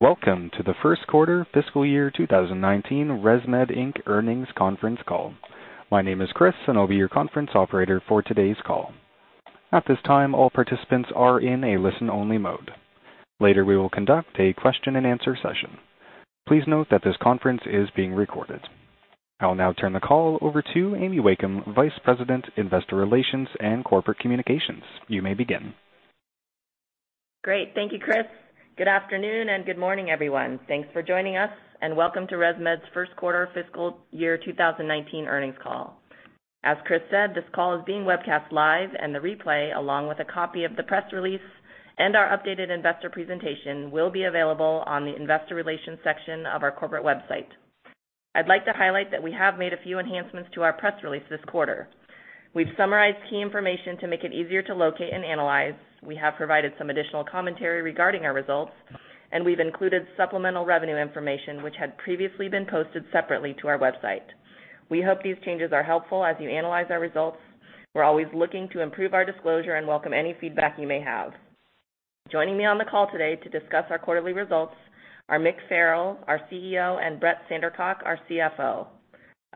Welcome to the first quarter fiscal year 2019 ResMed Inc. earnings conference call. My name is Chris and I'll be your conference operator for today's call. At this time, all participants are in a listen-only mode. Later we will conduct a question and answer session. Please note that this conference is being recorded. I'll now turn the call over to Amy Wakeham, Vice President, Investor Relations and Corporate Communications. You may begin. Great. Thank you, Chris. Good afternoon and good morning, everyone. Thanks for joining us. Welcome to ResMed's first quarter fiscal year 2019 earnings call. As Chris said, this call is being webcast live and the replay along with a copy of the press release and our updated investor presentation will be available on the investor relations section of our corporate website. I'd like to highlight that we have made a few enhancements to our press release this quarter. We've summarized key information to make it easier to locate and analyze. We have provided some additional commentary regarding our results. We've included supplemental revenue information which had previously been posted separately to our website. We hope these changes are helpful as you analyze our results. We're always looking to improve our disclosure and welcome any feedback you may have. Joining me on the call today to discuss our quarterly results are Mick Farrell, our CEO, and Brett Sandercock, our CFO.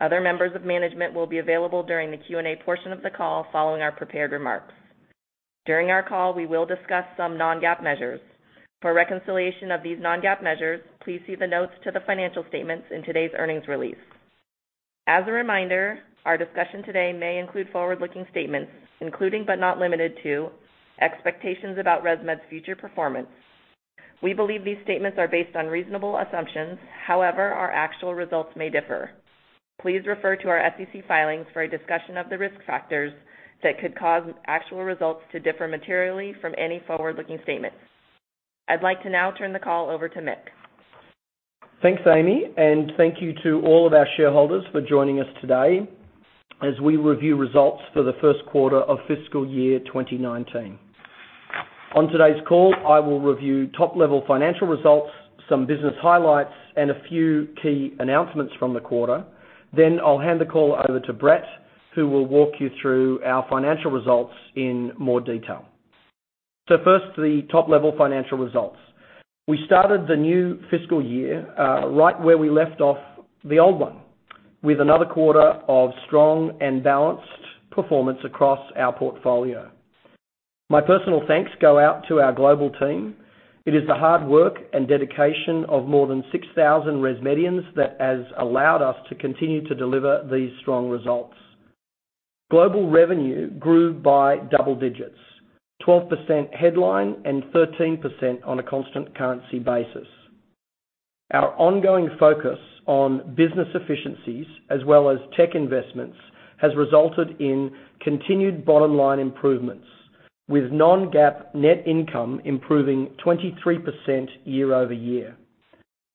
Other members of management will be available during the Q&A portion of the call following our prepared remarks. During our call, we will discuss some non-GAAP measures. For reconciliation of these non-GAAP measures, please see the notes to the financial statements in today's earnings release. As a reminder, our discussion today may include forward-looking statements, including but not limited to expectations about ResMed's future performance. We believe these statements are based on reasonable assumptions; however, our actual results may differ. Please refer to our SEC filings for a discussion of the risk factors that could cause actual results to differ materially from any forward-looking statements. I'd like to now turn the call over to Mick. Thanks, Amy. Thank you to all of our shareholders for joining us today as we review results for the first quarter of fiscal year 2019. On today's call, I will review top-level financial results, some business highlights, and a few key announcements from the quarter. I'll hand the call over to Brett, who will walk you through our financial results in more detail. First, the top-level financial results. We started the new fiscal year right where we left off the old one, with another quarter of strong and balanced performance across our portfolio. My personal thanks go out to our global team. It is the hard work and dedication of more than 6,000 ResMedians that has allowed us to continue to deliver these strong results. Global revenue grew by double digits, 12% headline and 13% on a constant currency basis. Our ongoing focus on business efficiencies as well as tech investments has resulted in continued bottom-line improvements, with non-GAAP net income improving 23% year-over-year.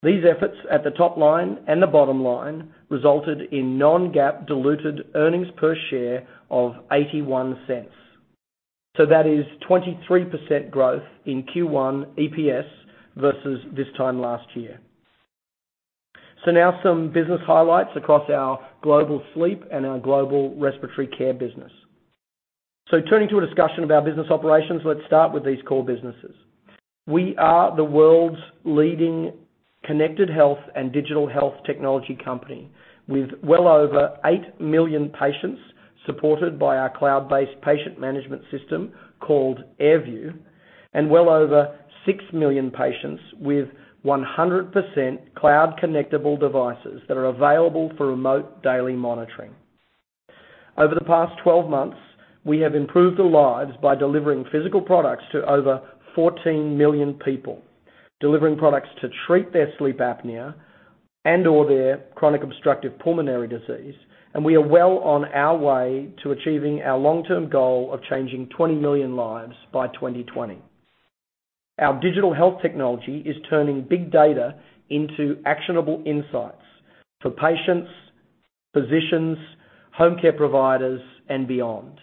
These efforts at the top line and the bottom line resulted in non-GAAP diluted earnings per share of $0.81. That is 23% growth in Q1 EPS versus this time last year. Now some business highlights across our global sleep and our global respiratory care business. Turning to a discussion about business operations, let's start with these core businesses. We are the world's leading connected health and digital health technology company, with well over 8 million patients supported by our cloud-based patient management system called AirView, and well over 6 million patients with 100% cloud connectable devices that are available for remote daily monitoring. Over the past 12 months, we have improved the lives by delivering physical products to over 14 million people, delivering products to treat their sleep apnea and/or their chronic obstructive pulmonary disease, and we are well on our way to achieving our long-term goal of changing 20 million lives by 2020. Our digital health technology is turning big data into actionable insights for patients, physicians, home care providers, and beyond.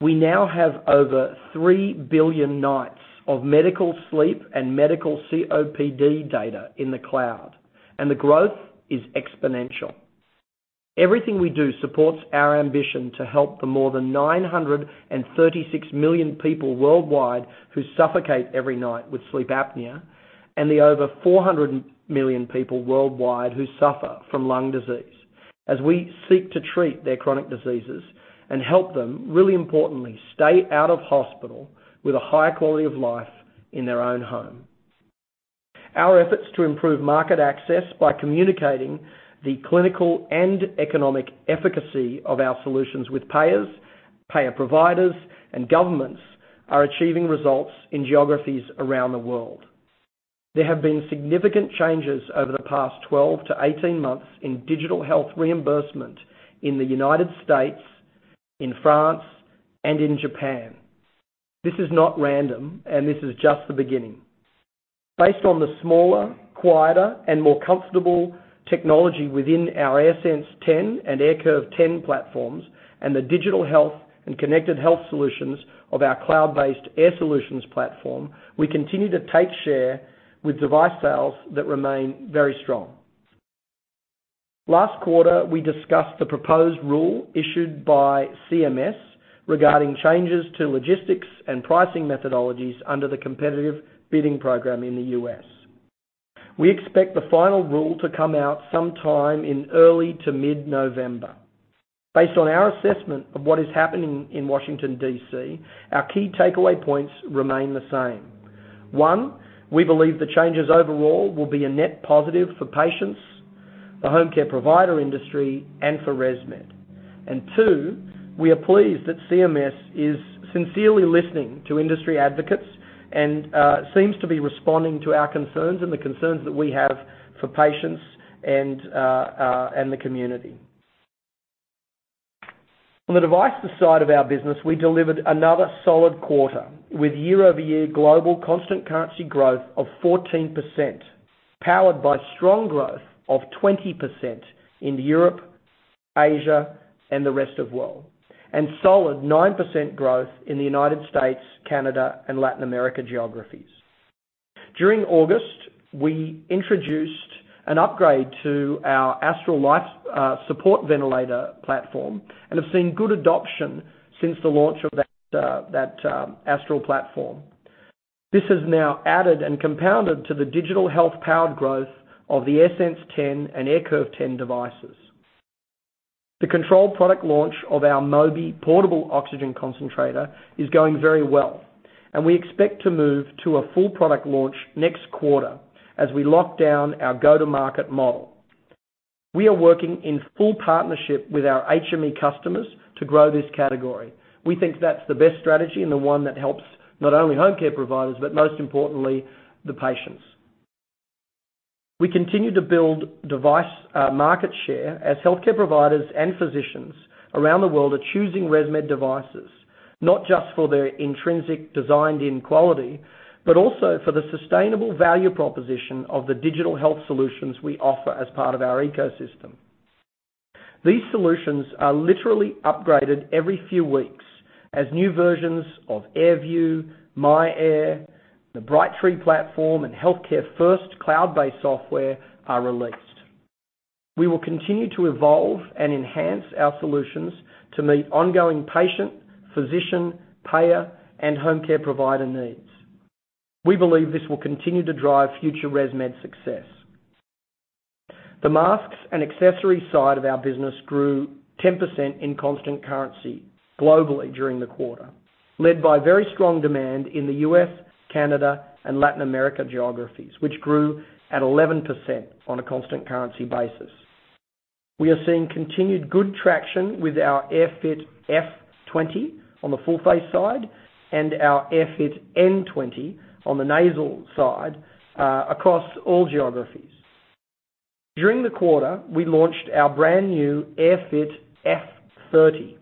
We now have over 3 billion nights of medical sleep and medical COPD data in the cloud, and the growth is exponential. Everything we do supports our ambition to help the more than 936 million people worldwide who suffocate every night with sleep apnea and the over 400 million people worldwide who suffer from lung disease, as we seek to treat their chronic diseases and help them, really importantly, stay out of hospital with a high quality of life in their own home. Our efforts to improve market access by communicating the clinical and economic efficacy of our solutions with payers, payer providers, and governments are achieving results in geographies around the world. There have been significant changes over the past 12-18 months in digital health reimbursement in the U.S., in France, and in Japan. This is not random, and this is just the beginning. Based on the smaller, quieter, and more comfortable technology within our AirSense 10 and AirCurve 10 platforms and the digital health and connected health solutions of our cloud-based Air Solutions platform, we continue to take share with device sales that remain very strong. Last quarter, we discussed the proposed rule issued by CMS regarding changes to logistics and pricing methodologies under the competitive bidding program in the U.S. We expect the final rule to come out sometime in early to mid-November. Based on our assessment of what is happening in Washington, D.C., our key takeaway points remain the same. One, we believe the changes overall will be a net positive for patients, the home care provider industry, and for ResMed. 2, we are pleased that CMS is sincerely listening to industry advocates and seems to be responding to our concerns and the concerns that we have for patients and the community. On the devices side of our business, we delivered another solid quarter with year-over-year global constant currency growth of 14%, powered by strong growth of 20% in Europe, Asia, and the rest of world, and solid 9% growth in the U.S., Canada, and Latin America geographies. During August, we introduced an upgrade to our Astral life support ventilator platform and have seen good adoption since the launch of that Astral platform. This has now added and compounded to the digital health-powered growth of the AirSense 10 and AirCurve 10 devices. The controlled product launch of our Mobi portable oxygen concentrator is going very well, and we expect to move to a full product launch next quarter as we lock down our go-to-market model. We are working in full partnership with our HME customers to grow this category. We think that's the best strategy and the one that helps not only home care providers but most importantly, the patients. We continue to build device market share as healthcare providers and physicians around the world are choosing ResMed devices, not just for their intrinsic designed-in quality, but also for the sustainable value proposition of the digital health solutions we offer as part of our ecosystem. These solutions are literally upgraded every few weeks as new versions of AirView, myAir, the Brightree platform, and HEALTHCAREfirst cloud-based software are released. We will continue to evolve and enhance our solutions to meet ongoing patient, physician, payer, and home care provider needs. We believe this will continue to drive future ResMed success. The masks and accessories side of our business grew 10% in constant currency globally during the quarter, led by very strong demand in the U.S., Canada, and Latin America geographies, which grew at 11% on a constant currency basis. We are seeing continued good traction with our AirFit F20 on the full face side and our AirFit N20 on the nasal side across all geographies. During the quarter, we launched our brand-new AirFit F30,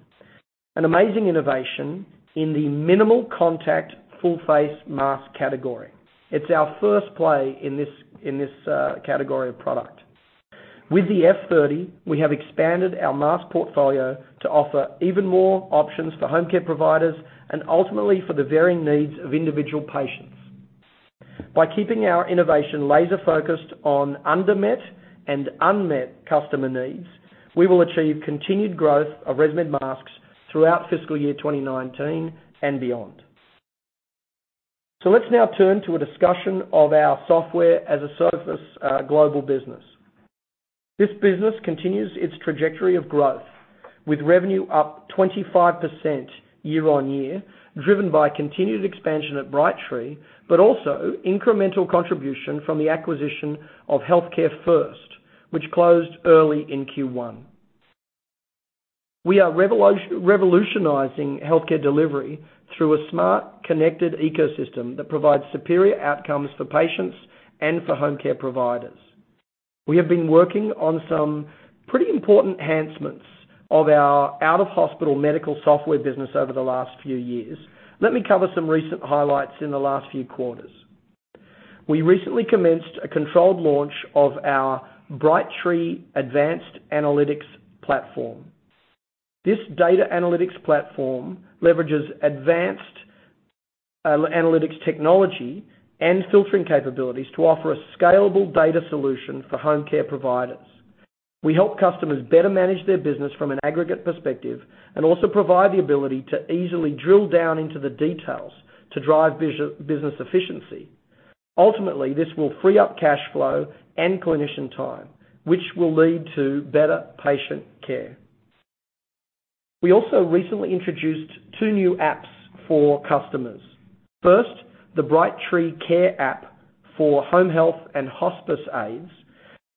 an amazing innovation in the minimal contact full face mask category. It's our first play in this category of product. With the F30, we have expanded our mask portfolio to offer even more options for home care providers and ultimately for the varying needs of individual patients. By keeping our innovation laser-focused on under-met and unmet customer needs, we will achieve continued growth of ResMed masks throughout fiscal year 2019 and beyond. Let's now turn to a discussion of our software as a service global business. This business continues its trajectory of growth, with revenue up 25% year-on-year, driven by continued expansion at Brightree, but also incremental contribution from the acquisition of HEALTHCAREfirst, which closed early in Q1. We are revolutionizing healthcare delivery through a smart, connected ecosystem that provides superior outcomes for patients and for home care providers. We have been working on some pretty important enhancements of our out-of-hospital medical software business over the last few years. Let me cover some recent highlights in the last few quarters. We recently commenced a controlled launch of our Brightree Advanced Analytics platform. This data analytics platform leverages advanced analytics technology and filtering capabilities to offer a scalable data solution for home care providers. We help customers better manage their business from an aggregate perspective and also provide the ability to easily drill down into the details to drive business efficiency. Ultimately, this will free up cash flow and clinician time, which will lead to better patient care. We also recently introduced two new apps for customers. First, the BrightreeCARE app for home health and hospice aides,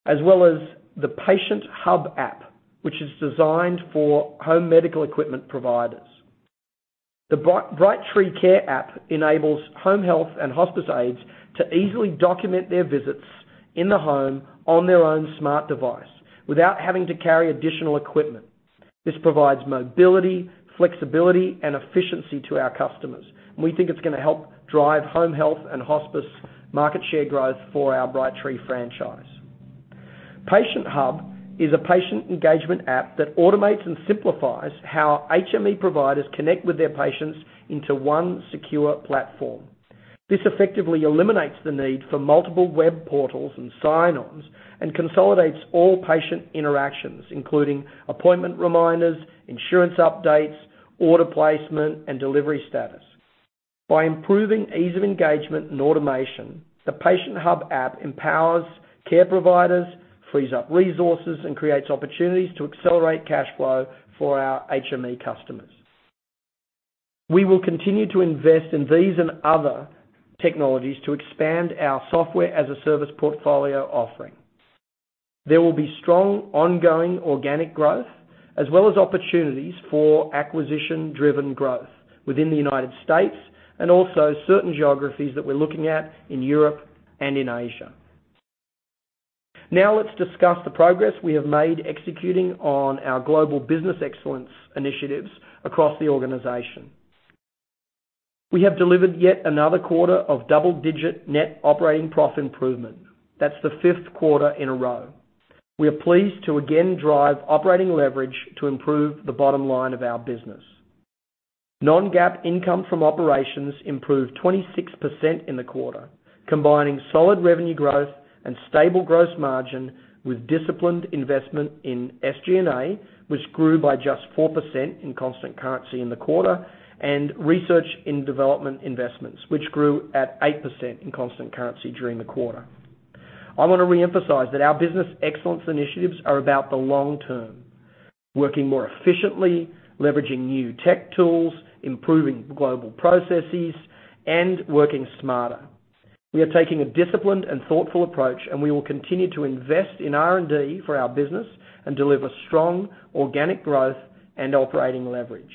as well as the Patient Hub app, which is designed for home medical equipment providers. The BrightreeCARE app enables home health and hospice aides to easily document their visits in the home on their own smart device without having to carry additional equipment. This provides mobility, flexibility, and efficiency to our customers, and we think it's going to help drive home health and hospice market share growth for our Brightree franchise. Patient Hub is a patient engagement app that automates and simplifies how HME providers connect with their patients into one secure platform. This effectively eliminates the need for multiple web portals and sign-ons, and consolidates all patient interactions, including appointment reminders, insurance updates, order placement, and delivery status. By improving ease of engagement and automation, the Patient Hub app empowers care providers, frees up resources, and creates opportunities to accelerate cash flow for our HME customers. We will continue to invest in these and other technologies to expand our software-as-a-service portfolio offering. There will be strong, ongoing organic growth, as well as opportunities for acquisition-driven growth within the U.S. and also certain geographies that we're looking at in Europe and in Asia. Now let's discuss the progress we have made executing on our global business excellence initiatives across the organization. We have delivered yet another quarter of double-digit net operating profit improvement. That's the fifth quarter in a row. We are pleased to again drive operating leverage to improve the bottom line of our business. non-GAAP income from operations improved 26% in the quarter, combining solid revenue growth and stable gross margin with disciplined investment in SG&A, which grew by just 4% in constant currency in the quarter, and research and development investments, which grew at 8% in constant currency during the quarter. I want to reemphasize that our business excellence initiatives are about the long term, working more efficiently, leveraging new tech tools, improving global processes, and working smarter. We are taking a disciplined and thoughtful approach, and we will continue to invest in R&D for our business and deliver strong organic growth and operating leverage.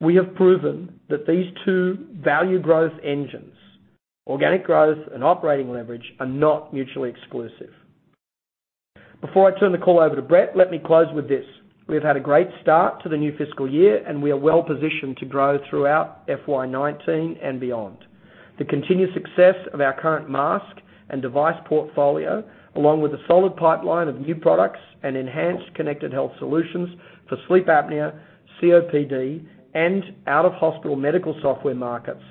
We have proven that these two value growth engines, organic growth and operating leverage, are not mutually exclusive. Before I turn the call over to Brett, let me close with this. We have had a great start to the new fiscal year, and we are well-positioned to grow throughout FY 2019 and beyond. The continued success of our current mask and device portfolio, along with a solid pipeline of new products and enhanced connected health solutions for sleep apnea, COPD, and out-of-hospital medical software markets,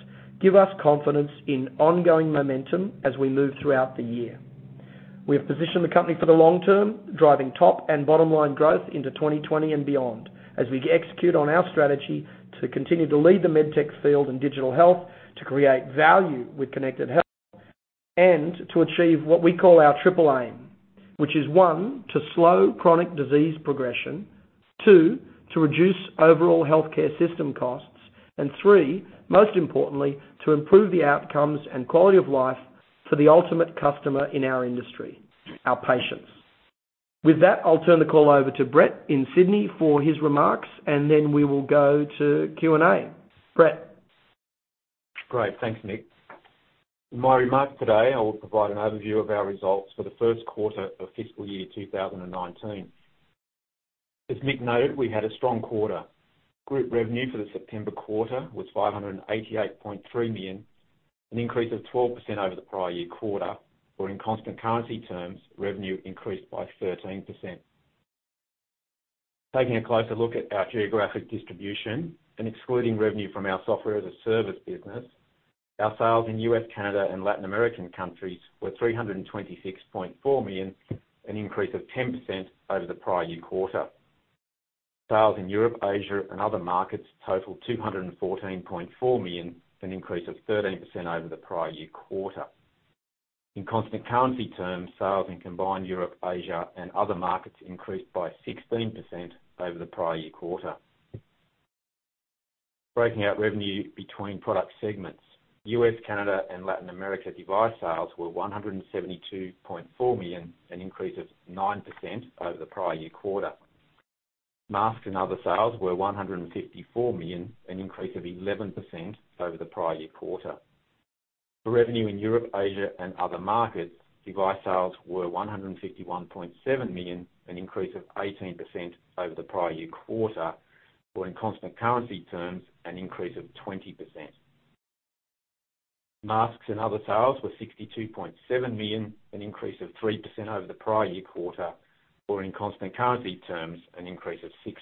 give us confidence in ongoing momentum as we move throughout the year. We have positioned the company for the long term, driving top and bottom line growth into 2020 and beyond, as we execute on our strategy to continue to lead the med tech field in digital health, to create value with connected health, and to achieve what we call our triple aim. Which is one, to slow chronic disease progression. Two, to reduce overall healthcare system costs. And three, most importantly, to improve the outcomes and quality of life for the ultimate customer in our industry, our patients. With that, I'll turn the call over to Brett in Sydney for his remarks, and then we will go to Q&A. Brett? Great. Thanks, Mick. In my remarks today, I will provide an overview of our results for the first quarter of fiscal year 2019. As Mick noted, we had a strong quarter. Group revenue for the September quarter was $588.3 million, an increase of 12% over the prior year quarter. Or in constant currency terms, revenue increased by 13%. Taking a closer look at our geographic distribution and excluding revenue from our Software-as-a-Service business, our sales in U.S., Canada, and Latin American countries were $326.4 million, an increase of 10% over the prior year quarter. Sales in Europe, Asia, and other markets totaled $214.4 million, an increase of 13% over the prior year quarter. In constant currency terms, sales in combined Europe, Asia, and other markets increased by 16% over the prior year quarter. Breaking out revenue between product segments. U.S., Canada, and Latin America device sales were $172.4 million, an increase of 9% over the prior year quarter. Masks and other sales were $154 million, an increase of 11% over the prior year quarter. For revenue in Europe, Asia, and other markets, device sales were $151.7 million, an increase of 18% over the prior year quarter. Or in constant currency terms, an increase of 20%. Masks and other sales were $62.7 million, an increase of 3% over the prior year quarter, or in constant currency terms, an increase of 6%.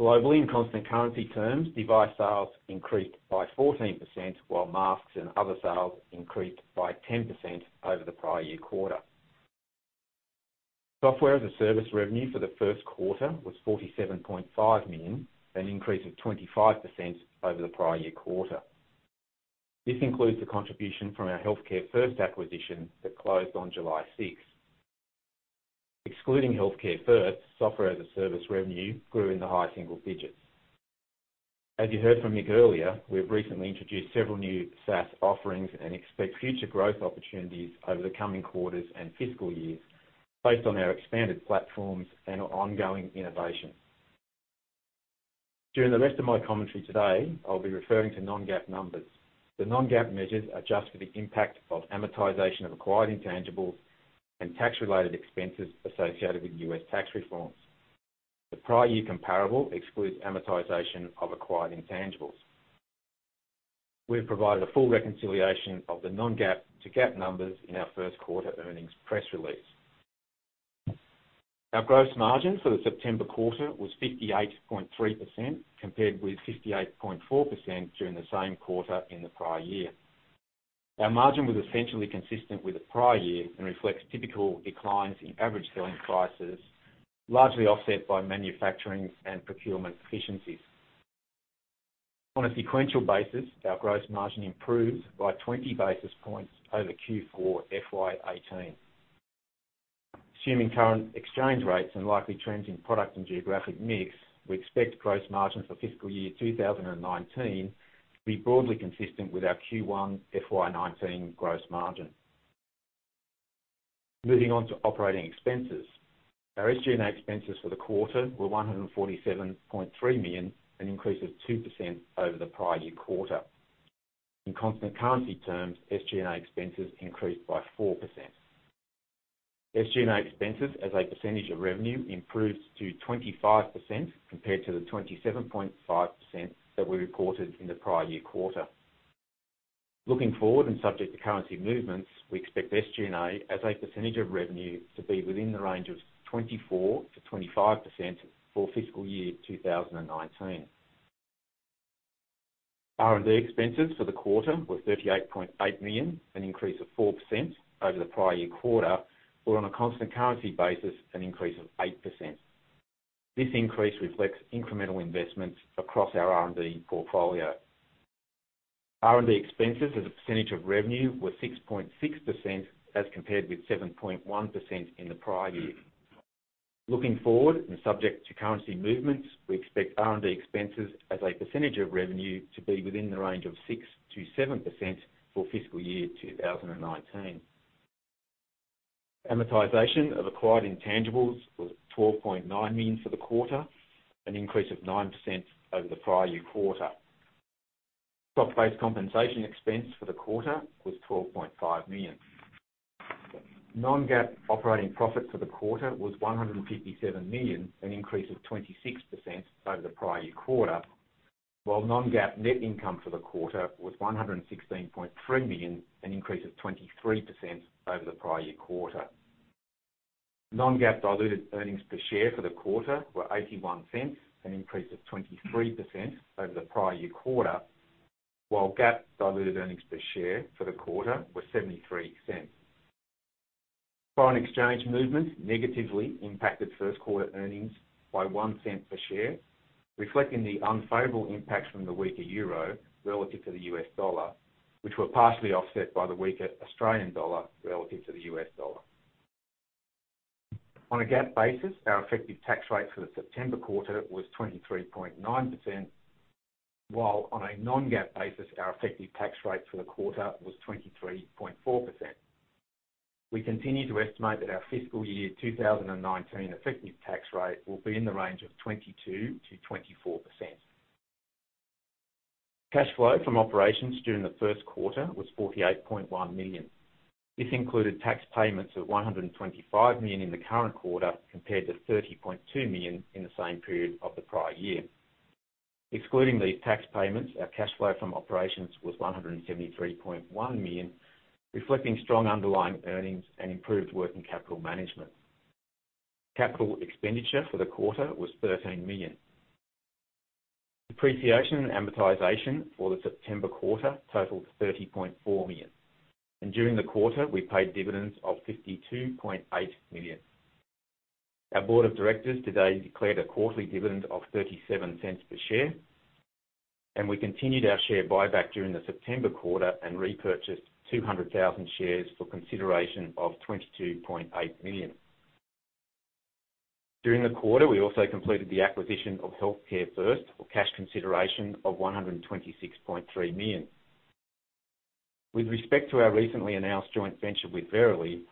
Globally, in constant currency terms, device sales increased by 14%, while masks and other sales increased by 10% over the prior year quarter. Software-as-a-Service revenue for the first quarter was $47.5 million, an increase of 25% over the prior year quarter. This includes the contribution from our HEALTHCAREfirst acquisition that closed on July 6th. Excluding HEALTHCAREfirst, Software-as-a-Service revenue grew in the high single digits. As you heard from Nick earlier, we have recently introduced several new SaaS offerings and expect future growth opportunities over the coming quarters and fiscal years based on our expanded platforms and our ongoing innovation. During the rest of my commentary today, I'll be referring to non-GAAP numbers. The non-GAAP measures adjust for the impact of amortization of acquired intangibles and tax-related expenses associated with U.S. tax reforms. The prior year comparable excludes amortization of acquired intangibles. We have provided a full reconciliation of the non-GAAP to GAAP numbers in our first quarter earnings press release. Our gross margin for the September quarter was 58.3%, compared with 58.4% during the same quarter in the prior year. Our margin was essentially consistent with the prior year and reflects typical declines in average selling prices, largely offset by manufacturing and procurement efficiencies. On a sequential basis, our gross margin improved by 20 basis points over Q4 FY 2018. Assuming current exchange rates and likely trends in product and geographic mix, we expect gross margin for fiscal year 2019 to be broadly consistent with our Q1 FY 2019 gross margin. Moving on to operating expenses. Our SG&A expenses for the quarter were $147.3 million, an increase of 2% over the prior year quarter. In constant currency terms, SG&A expenses increased by 4%. SG&A expenses as a percentage of revenue improved to 25%, compared to the 27.5% that we reported in the prior year quarter. Looking forward and subject to currency movements, we expect SG&A as a percentage of revenue to be within the range of 24%-25% for fiscal year 2019. R&D expenses for the quarter were $38.8 million, an increase of 4% over the prior year quarter, or on a constant currency basis, an increase of 8%. This increase reflects incremental investments across our R&D portfolio. R&D expenses as a percentage of revenue were 6.6%, as compared with 7.1% in the prior year. Looking forward and subject to currency movements, we expect R&D expenses as a percentage of revenue to be within the range of 6%-7% for fiscal year 2019. Amortization of acquired intangibles was $12.9 million for the quarter, an increase of 9% over the prior year quarter. Stock-based compensation expense for the quarter was $12.5 million. non-GAAP operating profit for the quarter was $157 million, an increase of 26% over the prior year quarter, while non-GAAP net income for the quarter was $116.3 million, an increase of 23% over the prior year quarter. non-GAAP diluted earnings per share for the quarter were $0.81, an increase of 23% over the prior year quarter, while GAAP diluted earnings per share for the quarter were $0.73. Foreign exchange movements negatively impacted first quarter earnings by $0.01 per share, reflecting the unfavorable impacts from the weaker EUR relative to the U.S. dollar, which were partially offset by the weaker AUD relative to the U.S. dollar. On a GAAP basis, our effective tax rate for the September quarter was 23.9%, while on a non-GAAP basis, our effective tax rate for the quarter was 23.4%. We continue to estimate that our fiscal year 2019 effective tax rate will be in the range of 22%-24%. Cash flow from operations during the first quarter was $48.1 million. This included tax payments of $125 million in the current quarter, compared to $30.2 million in the same period of the prior year. Excluding these tax payments, our cash flow from operations was $173.1 million, reflecting strong underlying earnings and improved working capital management. Capital expenditure for the quarter was $13 million. Depreciation and amortization for the September quarter totaled $30.4 million. During the quarter, we paid dividends of $52.8 million. Our board of directors today declared a quarterly dividend of $0.37 per share. We continued our share buyback during the September quarter and repurchased 200,000 shares for consideration of $22.8 million. During the quarter, we also completed the acquisition of HEALTHCAREfirst for cash consideration of $126.3 million. With respect to our recently announced joint venture with Verily,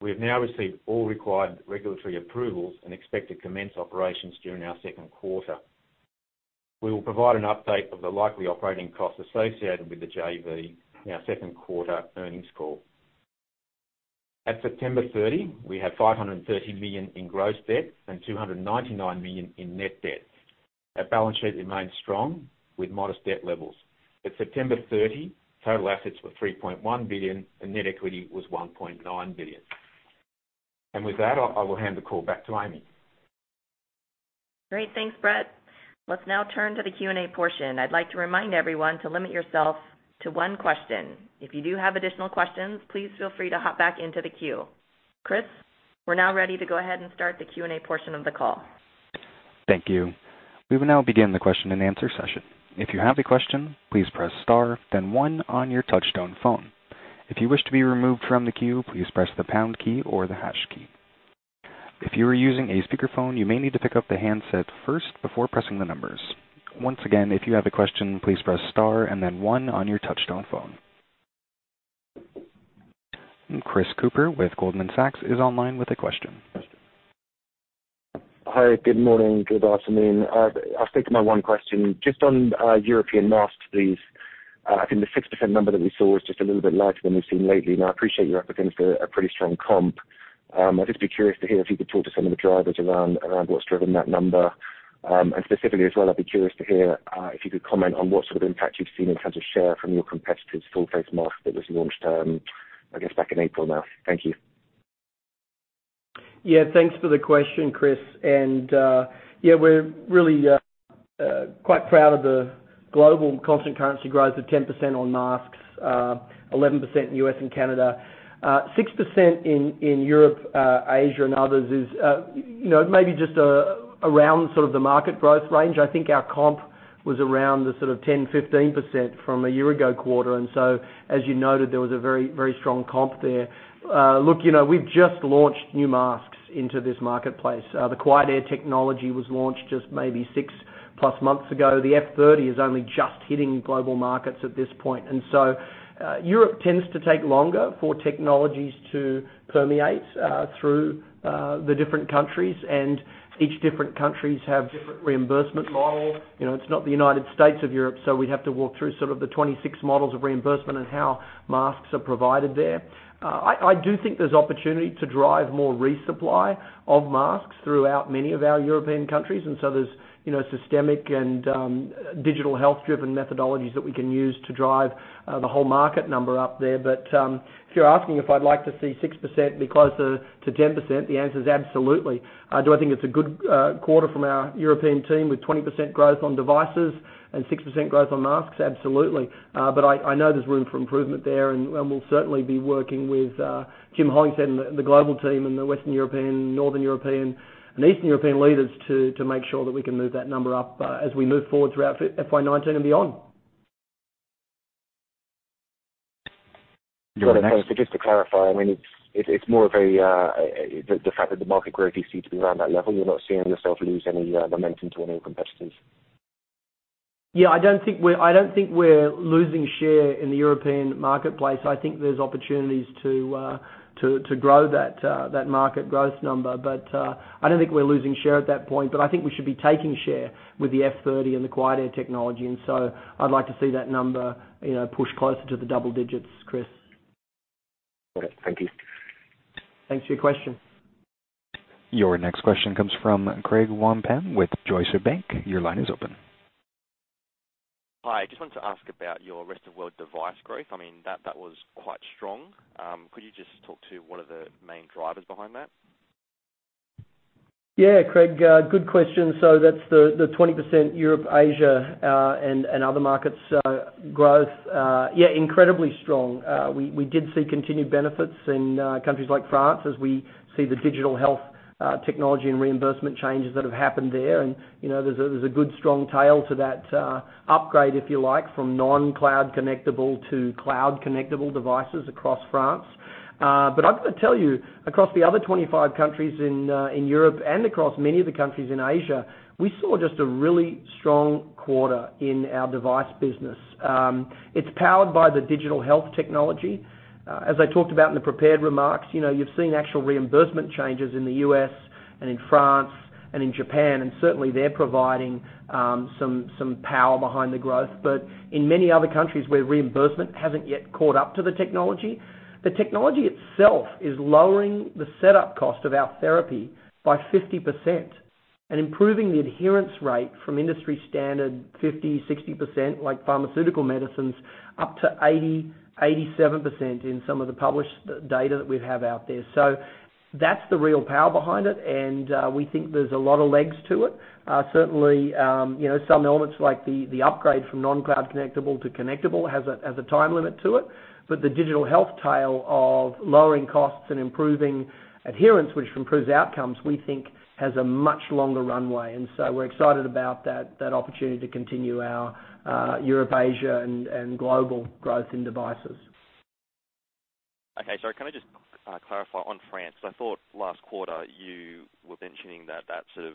we have now received all required regulatory approvals and expect to commence operations during our second quarter. We will provide an update of the likely operating costs associated with the JV in our second quarter earnings call. At September 30, we had $530 million in gross debt and $299 million in net debt. Our balance sheet remains strong with modest debt levels. At September 30, total assets were $3.1 billion and net equity was $1.9 billion. With that, I will hand the call back to Amy. Great. Thanks, Brett. Let's now turn to the Q&A portion. I'd like to remind everyone to limit yourself to one question. If you do have additional questions, please feel free to hop back into the queue. Chris, we're now ready to go ahead and start the Q&A portion of the call. Thank you. We will now begin the question and answer session. If you have a question, please press star then one on your touchtone phone. If you wish to be removed from the queue, please press the pound key or the hash key. If you are using a speakerphone, you may need to pick up the handset first before pressing the numbers. Once again, if you have a question, please press star and then one on your touchtone phone. Chris Cooper with Goldman Sachs is online with a question. Hi, good morning, good afternoon. I'll stick to my one question. Just on European masks, please. I think the 6% number that we saw is just a little bit larger than we've seen lately. I appreciate you're up against a pretty strong comp. I'd just be curious to hear if you could talk to some of the drivers around what's driven that number. Specifically as well, I'd be curious to hear if you could comment on what sort of impact you've seen in terms of share from your competitor's full face mask that was launched, I guess, back in April now. Thank you. Yeah, thanks for the question, Chris. Yeah, we're really quite proud of the global constant currency growth of 10% on masks, 11% in U.S. and Canada. 6% in Europe, Asia, and others is maybe just around the market growth range. I think our comp was around the sort of 10%-15% from a year ago quarter. As you noted, there was a very strong comp there. Look, we've just launched new masks into this marketplace. The QuietAir technology was launched just maybe six plus months ago. The F30 is only just hitting global markets at this point. Europe tends to take longer for technologies to permeate through the different countries, and each different countries have different reimbursement models. It's not the U.S. of Europe, so we'd have to walk through sort of the 26 models of reimbursement and how masks are provided there. I do think there's opportunity to drive more resupply of masks throughout many of our European countries. There's systemic and digital health-driven methodologies that we can use to drive the whole market number up there. If you're asking if I'd like to see 6% be closer to 10%, the answer is absolutely. Do I think it's a good quarter from our European team with 20% growth on devices and 6% growth on masks? Absolutely. I know there's room for improvement there, and we'll certainly be working with Jim Hollingshead and the global team and the Western European, Northern European, and Eastern European leaders to make sure that we can move that number up as we move forward throughout FY 2019 and beyond. Just to clarify, it's more of the fact that the market growth you see to be around that level. You're not seeing yourself lose any momentum to any competitors? Yeah, I don't think we're losing share in the European marketplace. I think there's opportunities to grow that market growth number. I don't think we're losing share at that point. I think we should be taking share with the F30 and the QuietAir technology, I'd like to see that number pushed closer to the double digits, Chris. Okay. Thank you. Thanks for your question. Your next question comes from Craig Wampen with JPMorgan. Your line is open. Hi, I just wanted to ask about your rest of world device growth. That was quite strong. Could you just talk to what are the main drivers behind that? Yeah, Craig, good question. That's the 20% Europe, Asia, and other markets growth. Incredibly strong. We did see continued benefits in countries like France as we see the digital health technology and reimbursement changes that have happened there. There's a good strong tail to that upgrade, if you like, from non-cloud connectable to cloud connectable devices across France. I've got to tell you, across the other 25 countries in Europe and across many of the countries in Asia, we saw just a really strong quarter in our device business. It's powered by the digital health technology. As I talked about in the prepared remarks, you've seen actual reimbursement changes in the U.S. and in France and in Japan, certainly they're providing some power behind the growth. In many other countries where reimbursement hasn't yet caught up to the technology, the technology itself is lowering the setup cost of our therapy by 50% and improving the adherence rate from industry standard 50, 60%, like pharmaceutical medicines, up to 80, 87% in some of the published data that we have out there. That's the real power behind it, and we think there's a lot of legs to it. Certainly, some elements like the upgrade from non-cloud connectable to connectable has a time limit to it. But the digital health tail of lowering costs and improving adherence, which improves outcomes, we think has a much longer runway. We're excited about that opportunity to continue our Europe, Asia, and global growth in devices. Sorry, can I just clarify on France? I thought last quarter you were mentioning that sort of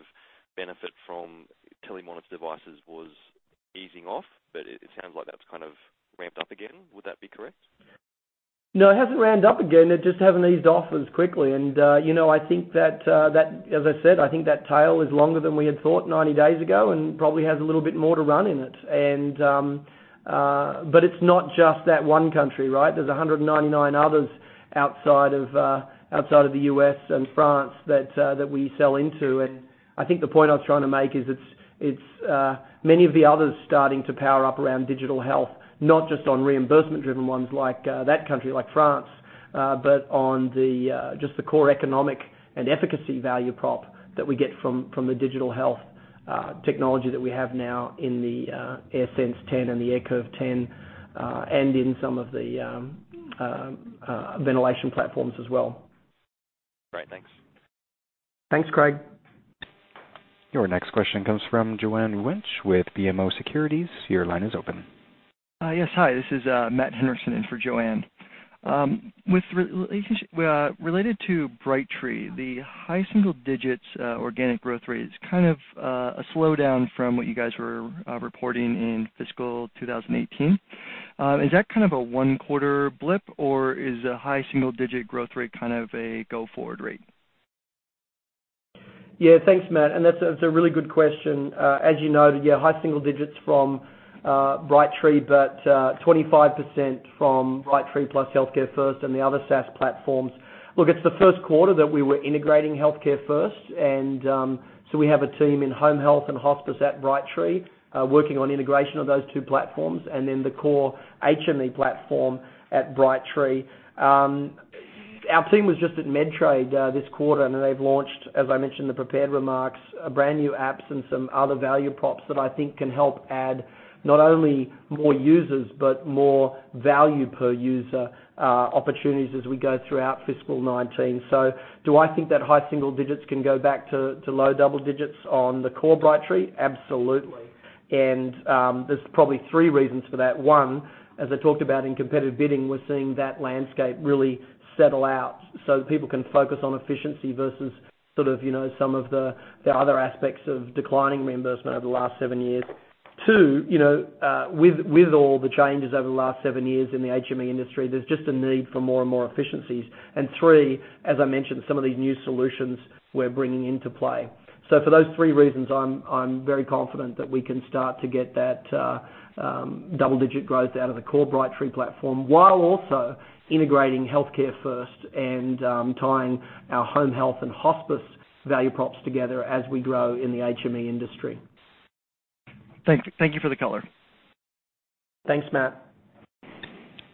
benefit from telemonitor devices was easing off, but it sounds like that's kind of ramped up again. Would that be correct? No, it hasn't ramped up again. It just hasn't eased off as quickly. I think that, as I said, I think that tail is longer than we had thought 90 days ago and probably has a little bit more to run in it. It's not just that one country, right? There's 199 others outside of the U.S. and France that we sell into. I think the point I was trying to make is it's many of the others starting to power up around digital health, not just on reimbursement-driven ones like that country, like France, but on just the core economic and efficacy value prop that we get from the digital health technology that we have now in the AirSense 10 and the AirCurve 10, and in some of the ventilation platforms as well. Great. Thanks. Thanks, Craig. Your next question comes from Joanne Wuensch with BMO Capital Markets. Your line is open. Yes, hi. This is Matthew Henderson in for Joanne. Related to Brightree, the high single-digit organic growth rate is kind of a slowdown from what you guys were reporting in fiscal 2018. Is that kind of a one-quarter blip, or is a high single-digit growth rate kind of a go-forward rate? Yeah. Thanks, Matt. That's a really good question. As you noted, yeah, high single-digits from Brightree, but 25% from Brightree plus HEALTHCAREfirst and the other SaaS platforms. Look, it's the first quarter that we were integrating HEALTHCAREfirst. We have a team in home health and hospice at Brightree, working on integration of those two platforms, then the core HME platform at Brightree. Our team was just at Medtrade this quarter. They've launched, as I mentioned in the prepared remarks, brand-new apps and some other value props that I think can help add not only more users but more value per user opportunities as we go throughout fiscal 2019. Do I think that high single-digits can go back to low double-digits on the core Brightree? Absolutely. There are probably three reasons for that. One, as I talked about in competitive bidding, we're seeing that landscape really settle out so people can focus on efficiency versus some of the other aspects of declining reimbursement over the last seven years. Two, with all the changes over the last seven years in the HME industry, there's just a need for more and more efficiencies. Three, as I mentioned, some of these new solutions we're bringing into play. For those three reasons, I'm very confident that we can start to get that double-digit growth out of the core Brightree platform while also integrating HEALTHCAREfirst and tying our home health and hospice value props together as we grow in the HME industry. Thank you for the color. Thanks, Matt.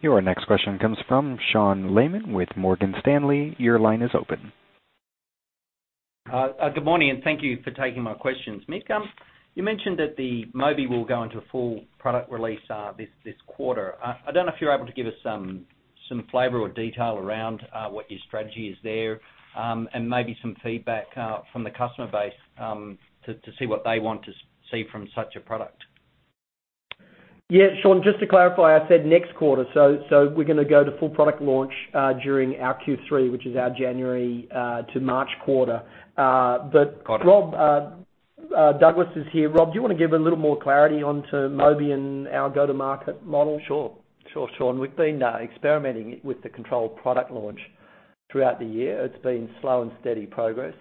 Your next question comes from Sean Laman with Morgan Stanley. Your line is open. Good morning, thank you for taking my questions. Mick, you mentioned that the Mobi will go into full product release this quarter. I don't know if you're able to give us some flavor or detail around what your strategy is there and maybe some feedback from the customer base to see what they want to see from such a product. Sean, just to clarify, I said next quarter. We're going to go to full product launch during our Q3, which is our January to March quarter. Rob Douglas is here. Rob, do you want to give a little more clarity onto Mobi and our go-to-market model? Sure, Sean. We've been experimenting with the controlled product launch throughout the year. It's been slow and steady progress.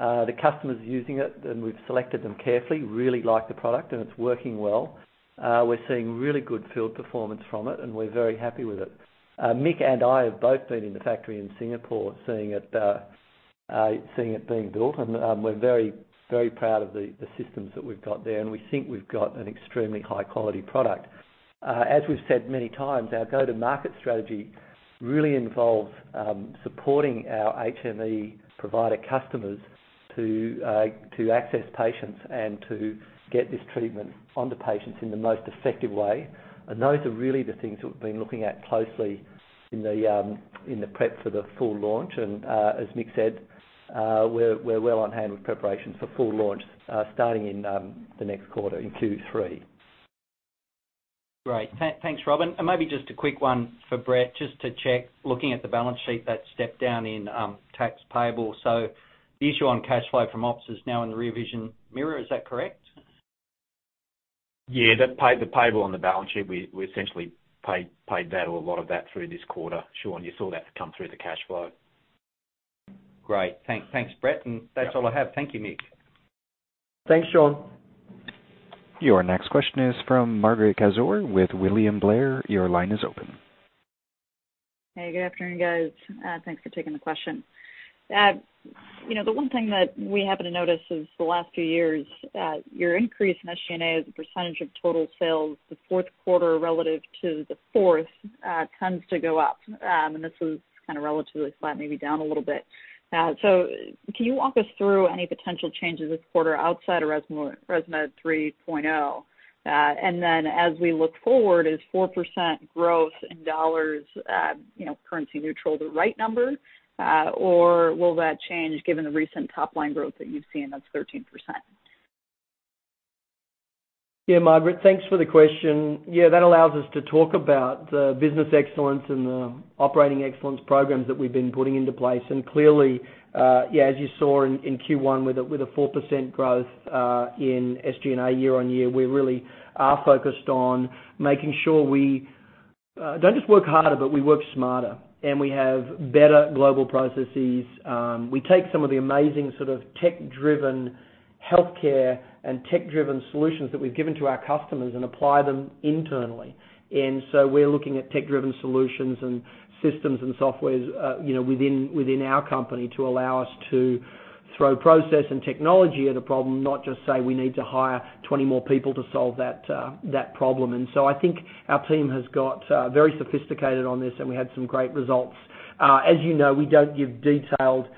The customers using it, and we've selected them carefully, really like the product, and it's working well. We're seeing really good field performance from it, and we're very happy with it. Mick and I have both been in the factory in Singapore, seeing it being built, and we're very, very proud of the systems that we've got there, and we think we've got an extremely high-quality product. As we've said many times, our go-to-market strategy really involves supporting our HME provider customers to access patients and to get this treatment onto patients in the most effective way. Those are really the things that we've been looking at closely in the prep for the full launch. As Mick said, we're well on hand with preparations for full launch, starting in the next quarter, in Q3. Great. Thanks, Rob. Maybe just a quick one for Brett, just to check. Looking at the balance sheet, that step down in tax payable. The issue on cash flow from ops is now in the rear-vision mirror. Is that correct? Yeah. The payable on the balance sheet, we essentially paid that or a lot of that through this quarter, Sean. You saw that come through the cash flow. Great. Thanks, Brett. That's all I have. Thank you, Mick. Thanks, Sean. Your next question is from Margaret Kaczor with William Blair. Your line is open. Hey, good afternoon, guys. Thanks for taking the question. The one thing that we happen to notice is the last few years, your increase in SG&A as a percentage of total sales, the fourth quarter relative to the fourth, tends to go up. This was kind of relatively flat, maybe down a little bit. Can you walk us through any potential changes this quarter outside of ResMed 3.0? As we look forward, is 4% growth in $ currency neutral the right number? Will that change given the recent top-line growth that you've seen that's 13%? Margaret, thanks for the question. That allows us to talk about the business excellence and the operating excellence programs that we've been putting into place. As you saw in Q1 with a 4% growth, in SG&A year-over-year, we really are focused on making sure we don't just work harder, but we work smarter, and we have better global processes. We take some of the amazing tech-driven healthcare and tech-driven solutions that we've given to our customers and apply them internally. We're looking at tech-driven solutions and systems and softwares within our company to allow us to throw process and technology at a problem, not just say we need to hire 20 more people to solve that problem. I think our team has got very sophisticated on this, and we had some great results. As you know, we don't give detailed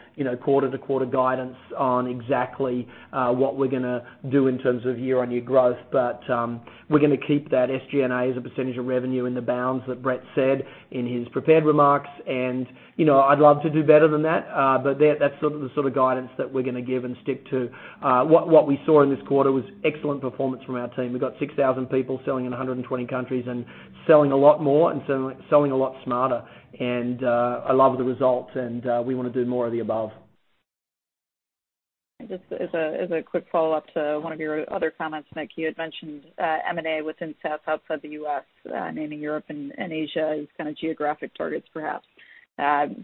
quarter-over-quarter guidance on exactly what we're going to do in terms of year-over-year growth. We're going to keep that SG&A as a percentage of revenue in the bounds that Brett said in his prepared remarks. I'd love to do better than that, but that's the sort of guidance that we're going to give and stick to. What we saw in this quarter was excellent performance from our team. We got 6,000 people selling in 120 countries and selling a lot more and selling a lot smarter. I love the results and we want to do more of the above. Just as a quick follow-up to one of your other comments, Mick, you had mentioned M&A within SaaS outside the U.S., naming Europe and Asia as kind of geographic targets, perhaps.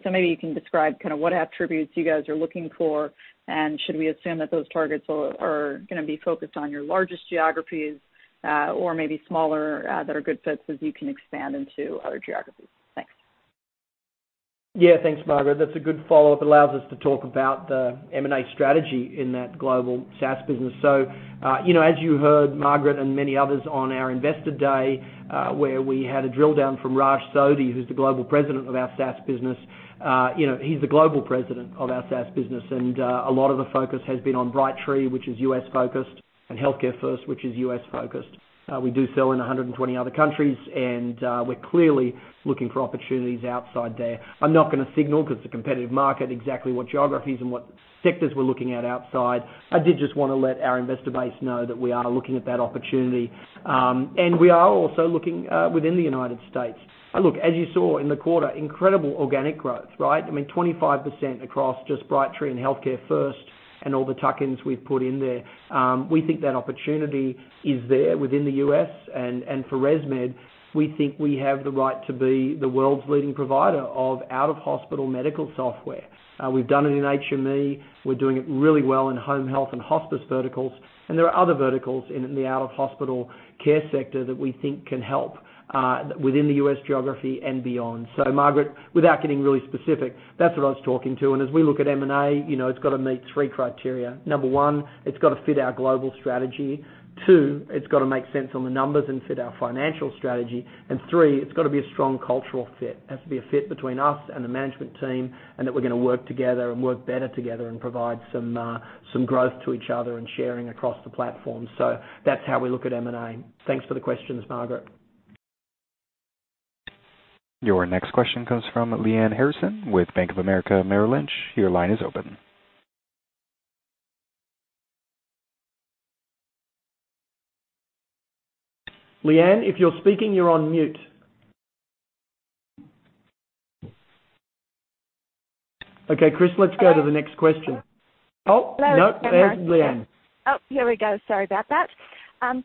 Maybe you can describe what attributes you guys are looking for, and should we assume that those targets are going to be focused on your largest geographies, or maybe smaller that are good fits as you can expand into other geographies? Thanks. Thanks, Margaret. That's a good follow-up. Allows us to talk about the M&A strategy in that global SaaS business. As you heard, Margaret and many others on our investor day, where we had a drill down from Raj Sodhi, who's the global president of our SaaS business. He's the global president of our SaaS business, and a lot of the focus has been on Brightree, which is U.S.-focused, and HEALTHCAREfirst, which is U.S.-focused. We do sell in 120 other countries, and we're clearly looking for opportunities outside there. I'm not going to signal, because it's a competitive market, exactly what geographies and what sectors we're looking at outside. I did just want to let our investor base know that we are looking at that opportunity. We are also looking within the United States. Look, as you saw in the quarter, incredible organic growth, right? I mean, 25% across just Brightree and HEALTHCAREfirst and all the tuck-ins we've put in there. We think that opportunity is there within the U.S., and for ResMed, we think we have the right to be the world's leading provider of out-of-hospital medical software. We've done it in HME. We're doing it really well in home health and hospice verticals. There are other verticals in the out-of-hospital care sector that we think can help within the U.S. geography and beyond. Margaret, without getting really specific, that's what I was talking to. As we look at M&A, it's got to meet three criteria. Number one, it's got to fit our global strategy. Two, it's got to make sense on the numbers and fit our financial strategy. Three, it's got to be a strong cultural fit. It has to be a fit between us and the management team, and that we're going to work together and work better together and provide some growth to each other and sharing across the platform. That's how we look at M&A. Thanks for the questions, Margaret. Your next question comes from Lyanne Harrison with Bank of America Merrill Lynch. Your line is open. Lyanne, if you're speaking, you're on mute. Okay, Chris, let's go to the next question. Hello. Oh, nope. There's Lyanne. Oh, here we go. Sorry about that. I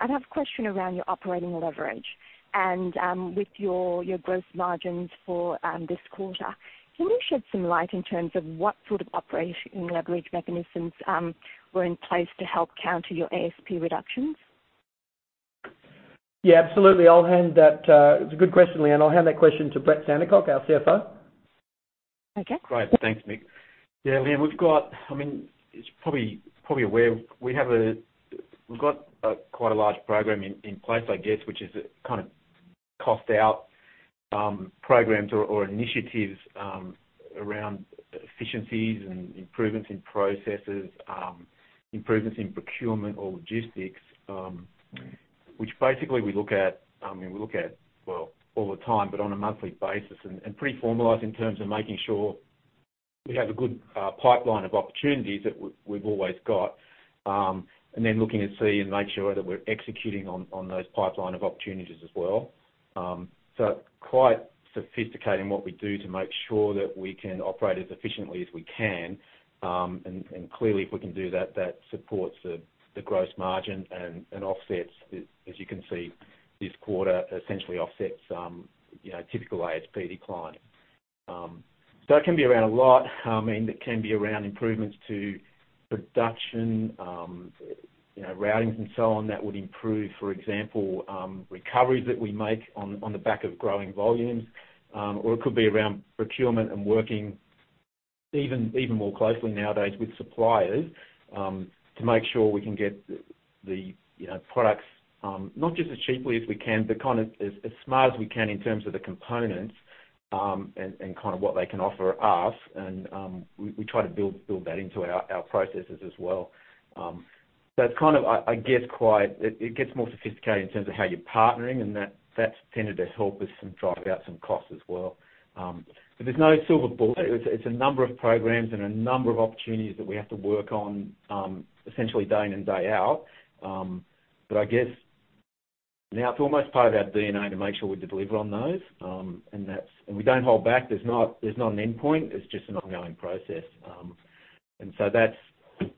have a question around your operating leverage and with your gross margins for this quarter. Can you shed some light in terms of what sort of operating leverage mechanisms were in place to help counter your ASP reductions? Yeah, absolutely. It's a good question, Lyanne. I'll hand that question to Brett Sandercock, our CFO. Okay. Great. Thanks, Mick. Yeah, Lyanne, we've got quite a large program in place, I guess, which is kind of cost out programs or initiatives around efficiencies and improvements in processes, improvements in procurement or logistics, which basically we look at all the time, but on a monthly basis, and pretty formalized in terms of making sure we have a good pipeline of opportunities that we've always got. Looking to see and make sure that we're executing on those pipeline of opportunities as well. Quite sophisticated in what we do to make sure that we can operate as efficiently as we can. Clearly, if we can do that supports the gross margin and offsets, as you can see, this quarter, essentially offsets typical ASP decline. It can be around a lot. It can be around improvements to production routings and so on that would improve, for example, recoveries that we make on the back of growing volumes. It could be around procurement and working even more closely nowadays with suppliers, to make sure we can get the products not just as cheaply as we can, but as smart as we can in terms of the components, and what they can offer us. We try to build that into our processes as well. It gets more sophisticated in terms of how you're partnering, and that's tended to help us drive out some costs as well. There's no silver bullet. It's a number of programs and a number of opportunities that we have to work on, essentially day in and day out. I guess now it's almost part of our DNA to make sure we deliver on those, and we don't hold back. There's not an endpoint. It's just an ongoing process.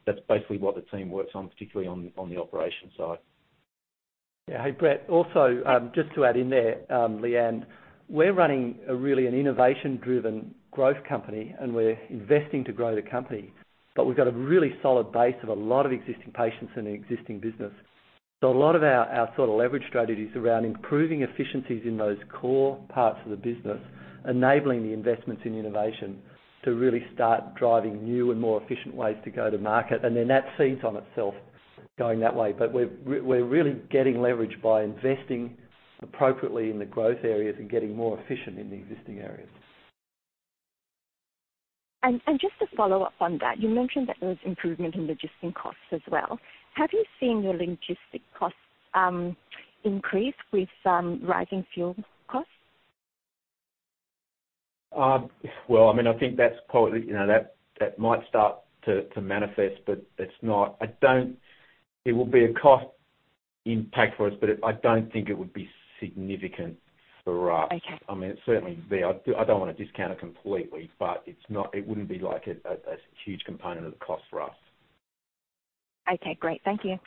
That's basically what the team works on, particularly on the operations side. Yeah. Hey, Brett. Also, just to add in there, Lyanne, we're running really an innovation-driven growth company. We're investing to grow the company. We've got a really solid base of a lot of existing patients in the existing business. A lot of our sort of leverage strategies around improving efficiencies in those core parts of the business, enabling the investments in innovation to really start driving new and more efficient ways to go to market. That feeds on itself going that way. We're really getting leverage by investing appropriately in the growth areas and getting more efficient in the existing areas. Just to follow up on that, you mentioned that there was improvement in logistic costs as well. Have you seen your logistic costs increase with rising fuel costs? I think that might start to manifest, but it will be a cost impact for us, but I don't think it would be significant for us. Okay. It'd certainly be. I don't want to discount it completely, but it wouldn't be like a huge component of the cost for us. Great. Thank you.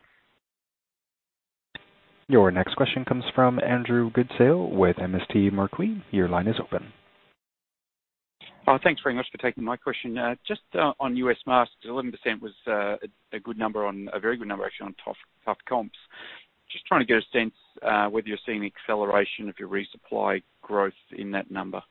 Your next question comes from Andrew Goodsall with MST Marquee. Your line is open. Thanks very much for taking my question. Just on U.S. masks, 11% was a very good number, actually, on tough comps. Just trying to get a sense whether you're seeing acceleration of your resupply growth in that number.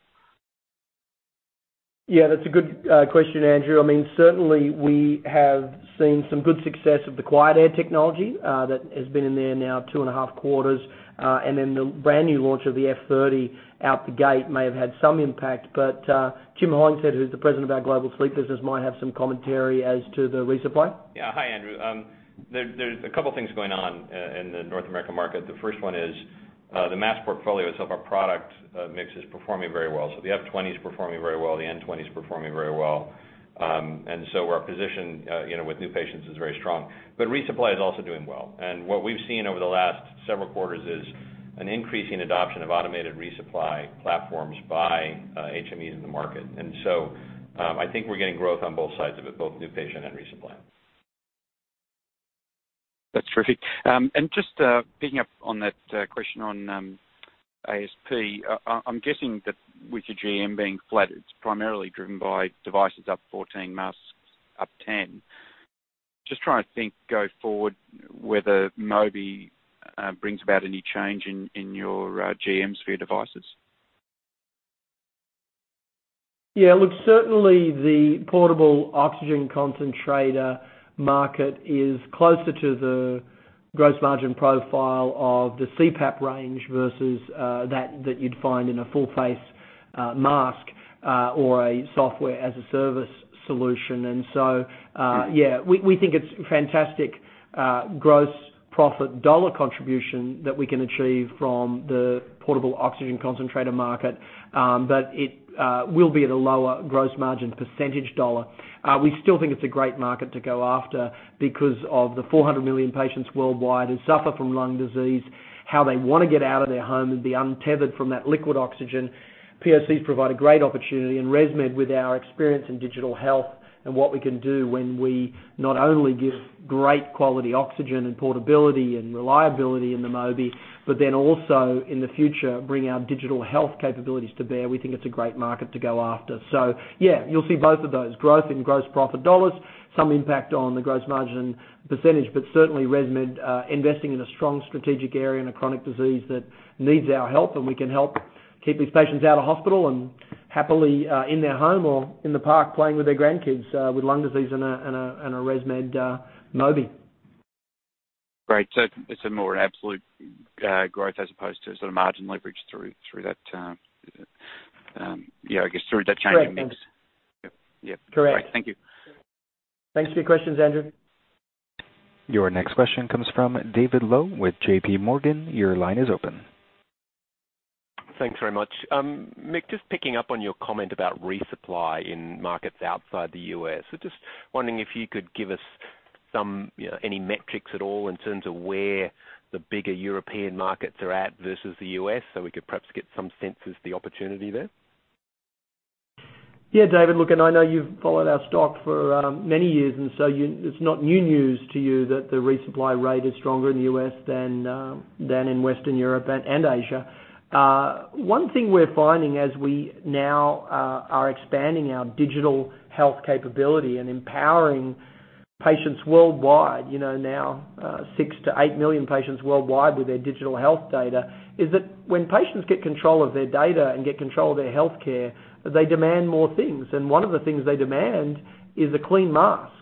Yeah, that's a good question, Andrew. Certainly, we have seen some good success of the QuietAir technology that has been in there now two and a half quarters. The brand-new launch of the F30 out the gate may have had some impact. Jim Hollingshead, who's the President of our global sleep business, might have some commentary as to the resupply. Yeah. Hi, Andrew. There's a couple things going on in the North American market. The first one is, the mask portfolio itself, our product mix is performing very well. The F20 is performing very well, the N20 is performing very well. Our position with new patients is very strong. Resupply is also doing well. What we've seen over the last several quarters is an increasing adoption of automated resupply platforms by HMEs in the market. I think we're getting growth on both sides of it, both new patient and resupply. That's terrific. Just picking up on that question on ASP, I'm guessing that with your GM being flat, it's primarily driven by devices up 14%, masks up 10%. Just trying to think go forward whether Mobi brings about any change in your GMs for your devices. Yeah, look, certainly the portable oxygen concentrator market is closer to the gross margin profile of the CPAP range versus that you'd find in a full face mask or a software as a service solution. Yeah, we think it's fantastic gross profit dollar contribution that we can achieve from the portable oxygen concentrator market. It will be at a lower gross margin percentage dollar. We still think it's a great market to go after because of the 400 million patients worldwide who suffer from lung disease, how they want to get out of their home and be untethered from that liquid oxygen. POC provide a great opportunity, ResMed with our experience in digital health and what we can do when we not only give great quality oxygen and portability and reliability in the Mobi, but then also in the future, bring our digital health capabilities to bear. We think it's a great market to go after. Yeah, you'll see both of those. Growth in gross profit dollars, some impact on the gross margin percentage, but certainly ResMed, investing in a strong strategic area in a chronic disease that needs our help, and we can help keep these patients out of hospital and happily in their home or in the park playing with their grandkids, with lung disease and a ResMed Mobi. Great. It's a more absolute growth as opposed to sort of margin leverage through that, I guess through that change in mix. Correct. Thanks. Yep. Correct. Great. Thank you. Thanks for your questions, Andrew. Your next question comes from David Low with JPMorgan. Your line is open. Thanks very much. Mick, just picking up on your comment about resupply in markets outside the U.S. Just wondering if you could give us any metrics at all in terms of where the bigger European markets are at versus the U.S., so we could perhaps get some sense of the opportunity there. Yeah, David, look, I know you've followed our stock for many years, so it's not new news to you that the resupply rate is stronger in the U.S. than in Western Europe and Asia. One thing we're finding as we now are expanding our digital health capability and empowering patients worldwide. Now, 6 to 8 million patients worldwide with their digital health data, is that when patients get control of their data and get control of their healthcare, they demand more things. One of the things they demand is a clean mask.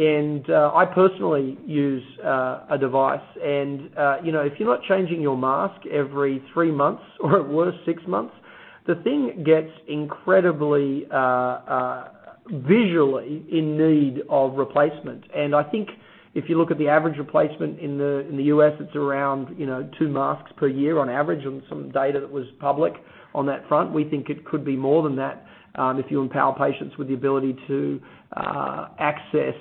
I personally use a device. If you're not changing your mask every three months or at worst, six months, the thing gets incredibly, visually in need of replacement. I think if you look at the average replacement in the U.S., it's around two masks per year on average on some data that was public on that front. We think it could be more than that, if you empower patients with the ability to access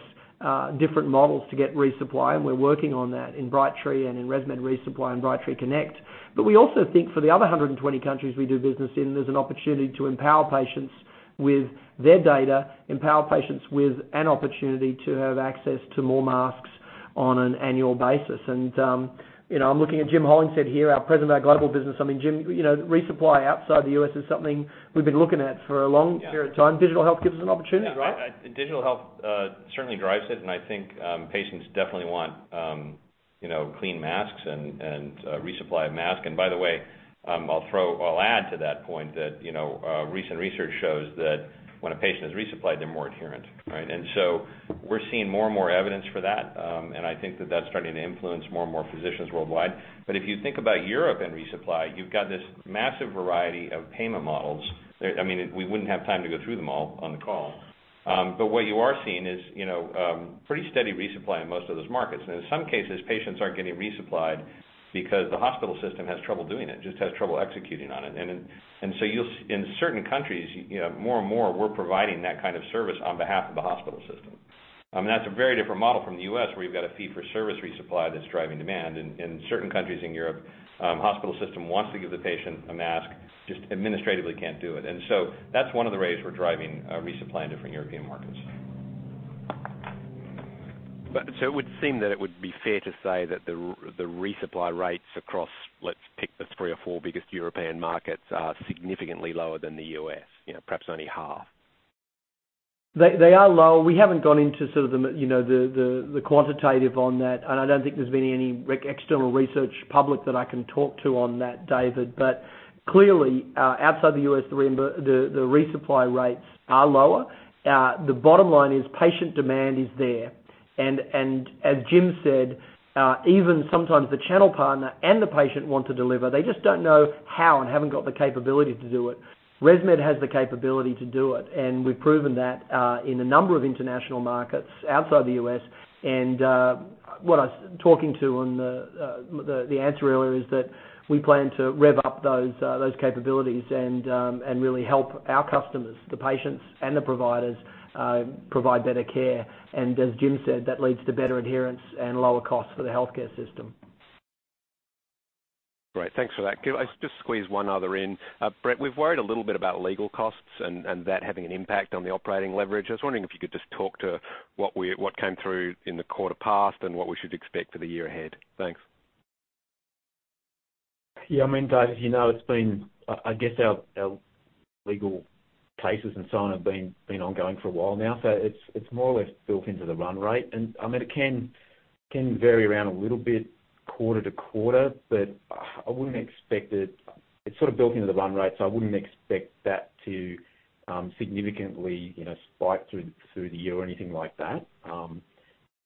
different models to get resupply. We're working on that in Brightree and in ResMed ReSupply and Brightree Connect. We also think for the other 120 countries we do business in, there's an opportunity to empower patients with their data, empower patients with an opportunity to have access to more masks on an annual basis. I'm looking at Jim Hollingshead here, our president of our global business. I mean, Jim, resupply outside the U.S. is something we've been looking at for a long period of time. Digital health gives us an opportunity, right? Yeah. Digital health, certainly drives it. I think, patients definitely want clean masks and a resupply of masks. By the way, I'll add to that point that recent research shows that when a patient is resupplied, they're more adherent, right? We're seeing more and more evidence for that. I think that that's starting to influence more and more physicians worldwide. If you think about Europe and resupply, you've got this massive variety of payment models. We wouldn't have time to go through them all on the call. What you are seeing is pretty steady resupply in most of those markets. In some cases, patients aren't getting resupplied because the hospital system has trouble doing it, just has trouble executing on it. In certain countries, more and more, we're providing that kind of service on behalf of the hospital system. That's a very different model from the U.S., where you've got a fee for service resupply that's driving demand. In certain countries in Europe, hospital system wants to give the patient a mask, just administratively can't do it. That's one of the ways we're driving resupply in different European markets. It would seem that it would be fair to say that the resupply rates across, let's pick the three or four biggest European markets, are significantly lower than the U.S., perhaps only half. They are low. We haven't gone into the quantitative on that, and I don't think there's been any external research public that I can talk to on that, David. Clearly, outside the U.S., the resupply rates are lower. The bottom line is patient demand is there. As Jim said, even sometimes the channel partner and the patient want to deliver, they just don't know how and haven't got the capability to do it. ResMed has the capability to do it, and we've proven that in a number of international markets outside the U.S. What I was talking to on the answer earlier is that we plan to rev up those capabilities and really help our customers, the patients, and the providers provide better care. As Jim said, that leads to better adherence and lower costs for the healthcare system. Great. Thanks for that. Can I just squeeze one other in? Brett, we've worried a little bit about legal costs and that having an impact on the operating leverage. I was wondering if you could just talk to what came through in the quarter past and what we should expect for the year ahead. Thanks. Yeah, David, you know our legal cases and so on have been ongoing for a while now. It's more or less built into the run rate. It can vary around a little bit quarter to quarter, but it's sort of built into the run rate, I wouldn't expect that to significantly spike through the year or anything like that.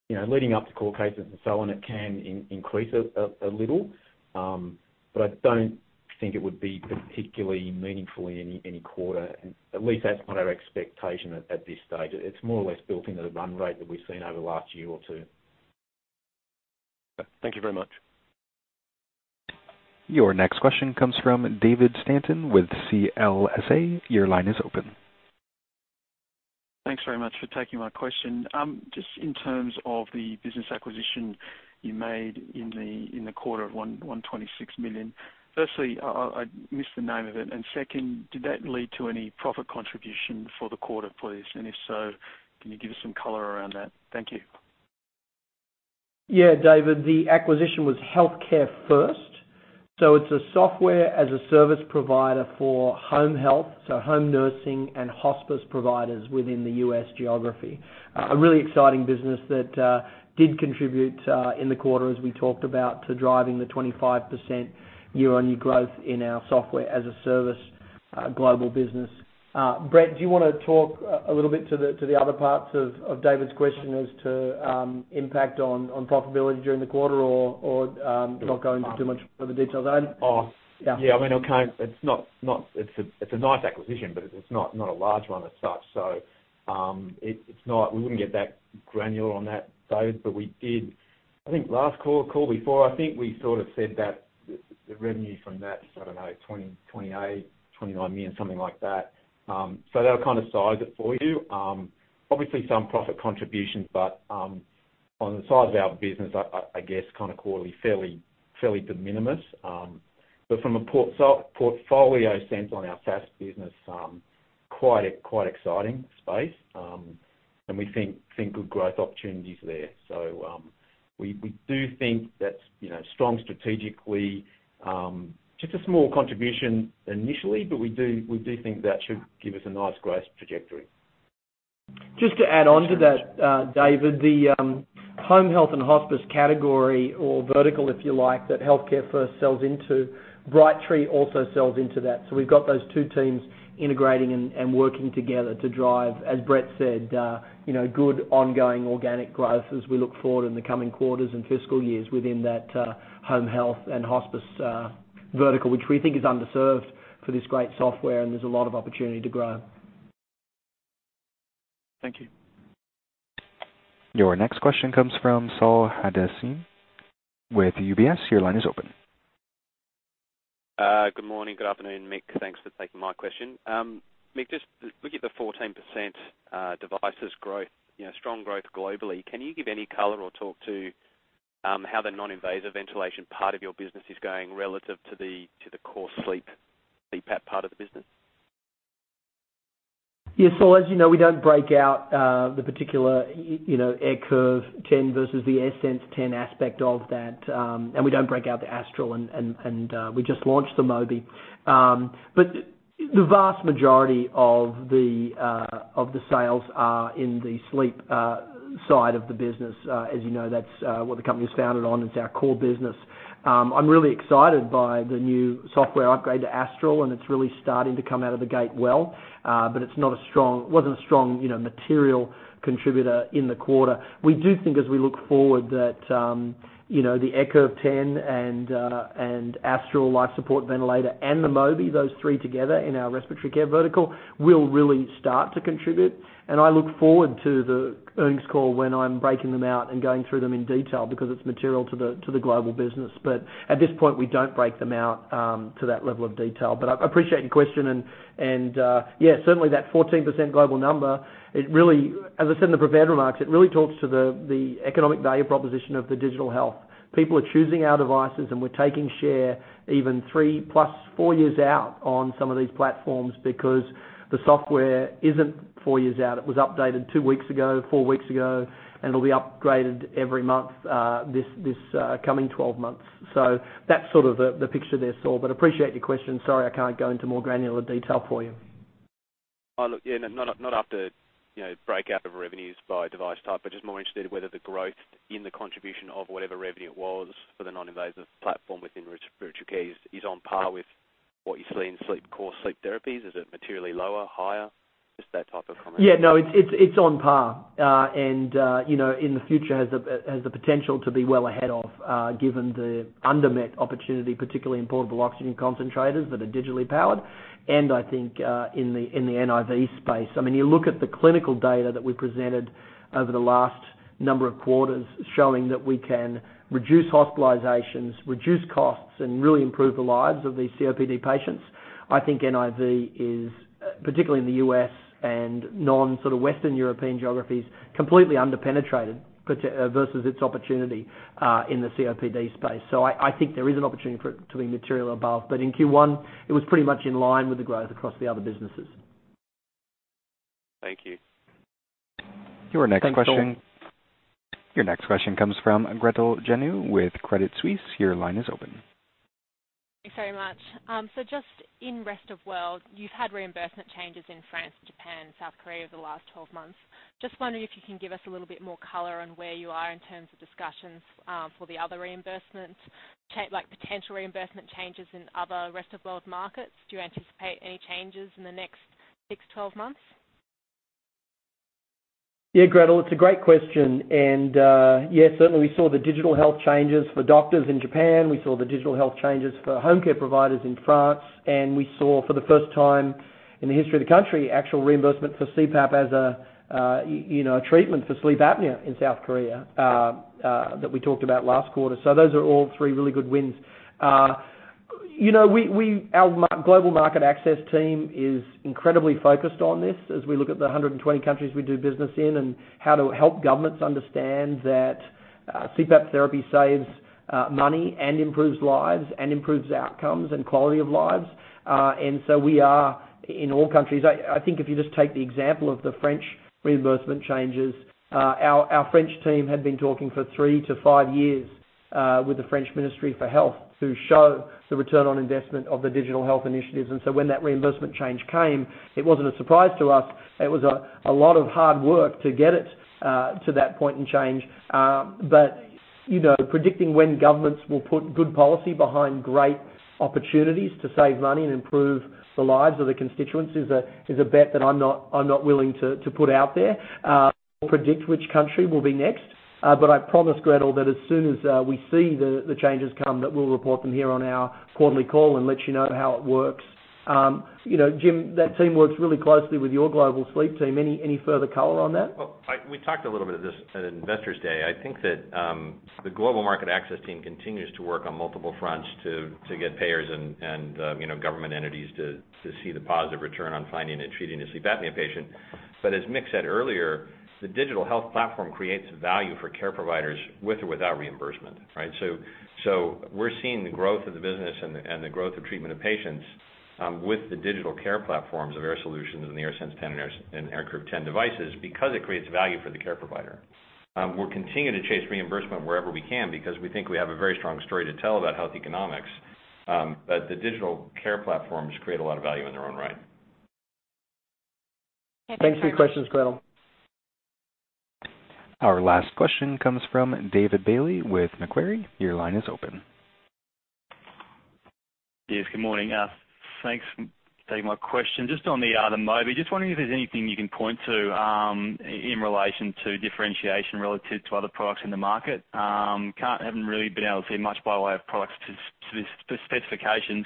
Leading up to court cases and so on, it can increase a little. I don't think it would be particularly meaningful in any quarter, at least that's not our expectation at this stage. It's more or less built into the run rate that we've seen over the last year or two. Thank you very much. Your next question comes from David Stanton with CLSA. Your line is open. Thanks very much for taking my question. Just in terms of the business acquisition you made in the quarter of $126 million. Firstly, I missed the name of it, and second, did that lead to any profit contribution for the quarter, please? If so, can you give us some color around that? Thank you. David, the acquisition was HEALTHCAREfirst. It's a Software-as-a-Service provider for home health. Home nursing and hospice providers within the U.S. geography. A really exciting business that did contribute in the quarter, as we talked about, to driving the 25% year-over-year growth in our Software-as-a-Service global business. Brett, do you want to talk a little bit to the other parts of David's question as to impact on profitability during the quarter or not go into too much of the details? It's a nice acquisition, it's not a large one as such. We wouldn't get that granular on that, David, but I think last call or call before, I think we said that the revenue from that, I don't know, $28 million, $29 million, something like that. That'll kind of size it for you. Obviously, some profit contributions, but on the size of our business, I guess, kind of quarterly, fairly de minimis. From a portfolio standpoint, our SaaS business, quite exciting space. We think good growth opportunities there. We do think that's strong strategically. Just a small contribution initially, but we do think that should give us a nice growth trajectory. Just to add on to that, David, the home health and hospice category or vertical, if you like, that HEALTHCAREfirst sells into, Brightree also sells into that. We've got those two teams integrating and working together to drive, as Brett said, good ongoing organic growth as we look forward in the coming quarters and fiscal years within that home health and hospice vertical, which we think is underserved for this great software, and there's a lot of opportunity to grow. Thank you. Your next question comes from Saul Hadassin with UBS. Your line is open. Good morning. Good afternoon, Mick. Thanks for taking my question. Mick, just looking at the 14% devices growth, strong growth globally. Can you give any color or talk to how the non-invasive ventilation part of your business is going relative to the core sleep, CPAP part of the business? Yeah. Saul, as you know, we don't break out the particular AirCurve 10 versus the AirSense 10 aspect of that. We don't break out the Astral, and we just launched the Mobi. The vast majority of the sales are in the sleep side of the business. As you know, that's what the company was founded on. It's our core business. I'm really excited by the new software upgrade to Astral, and it's really starting to come out of the gate well. It wasn't a strong material contributor in the quarter. We do think as we look forward that, the AirCurve 10 and Astral life support ventilator, and the Mobi, those three together in our respiratory care vertical, will really start to contribute. I look forward to the earnings call when I'm breaking them out and going through them in detail because it's material to the global business. At this point, we don't break them out to that level of detail. I appreciate your question. Certainly that 14% global number, as I said in the prepared remarks, it really talks to the economic value proposition of the digital health. People are choosing our devices, and we're taking share even three plus four years out on some of these platforms because the software isn't four years out. It was updated two weeks ago, four weeks ago, and it'll be upgraded every month this coming 12 months. That's sort of the picture there, Saul, but appreciate your question. Sorry, I can't go into more granular detail for you. Oh, look, yeah. Not after breakout of revenues by device type, but just more interested whether the growth in the contribution of whatever revenue it was for the non-invasive platform within respiratory care is on par with what you see in core sleep therapies. Is it materially lower, higher? Just that type of comment. Yeah, no, it's on par. In the future, has the potential to be well ahead of, given the unmet opportunity, particularly in portable oxygen concentrators that are digitally powered. I think, in the NIV space. You look at the clinical data that we presented over the last number of quarters showing that we can reduce hospitalizations, reduce costs, and really improve the lives of these COPD patients. I think NIV is, particularly in the U.S. and non-Western European geographies, completely under-penetrated versus its opportunity in the COPD space. I think there is an opportunity for it to be material above. In Q1, it was pretty much in line with the growth across the other businesses. Thank you. Your next question- Thanks, Saul. Your next question comes from Gretel Jennou with Credit Suisse. Your line is open. Thanks very much. Just in rest of world, you've had reimbursement changes in France, Japan, South Korea over the last 12 months. Just wondering if you can give us a little bit more color on where you are in terms of discussions for the other reimbursements, like potential reimbursement changes in other rest-of-world markets. Do you anticipate any changes in the next six to 12 months? Gretel, it's a great question. And, yeah, certainly, we saw the digital health changes for doctors in Japan. We saw the digital health changes for home care providers in France, and we saw, for the first time in the history of the country, actual reimbursement for CPAP as a treatment for sleep apnea in South Korea that we talked about last quarter. Those are all three really good wins. Our global market access team is incredibly focused on this as we look at the 120 countries we do business in and how to help governments understand that CPAP therapy saves money and improves lives and improves outcomes and quality of lives. We are in all countries. I think if you just take the example of the French reimbursement changes, our French team had been talking for three to five years, with the French Ministry for Health to show the return on investment of the digital health initiatives. When that reimbursement change came, it wasn't a surprise to us. It was a lot of hard work to get it to that point in change. Predicting when governments will put good policy behind great opportunities to save money and improve the lives of the constituents is a bet that I'm not willing to put out there or predict which country will be next. I promise, Gretel, that as soon as we see the changes come, that we'll report them here on our quarterly call and let you know how it works. Jim, that team works really closely with your global sleep team. Any further color on that? Well, we talked a little bit of this at Investor Day. I think that the global market access team continues to work on multiple fronts to get payers and government entities to see the positive return on finding and treating a sleep apnea patient. As Mick said earlier, the digital health platform creates value for care providers with or without reimbursement, right? We're seeing the growth of the business and the growth of treatment of patients, with the digital care platforms of Air Solutions and the AirSense 10 and AirCurve 10 devices because it creates value for the care provider. We're continuing to chase reimbursement wherever we can because we think we have a very strong story to tell about health economics, the digital care platforms create a lot of value in their own right. Thanks for your questions, Gretel. Our last question comes from David Bailey with Macquarie. Your line is open. Yes, good morning. Thanks for taking my question. Just on the Mobi, just wondering if there's anything you can point to in relation to differentiation relative to other products in the market. Haven't really been able to see much by way of product specifications.